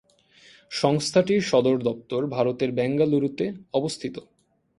সংস্থাটির সদর দপ্তর ভারতের বেঙ্গালুরুতে অবস্থিত।